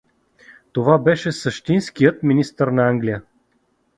Това беше същинският министър на Англия.